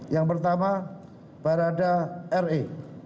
yang pertama barada re